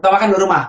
utamakan di rumah